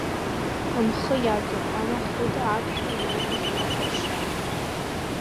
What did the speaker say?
Амхы иаҵоуп амахәыда, аԥшәма иоуп измоу аџьшьа.